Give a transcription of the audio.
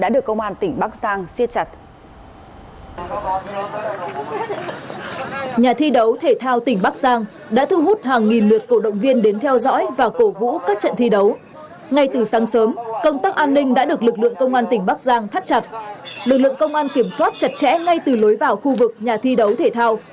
lực lượng công an kiểm soát chặt chẽ ngay từ lối vào khu vực nhà thi đấu thể thao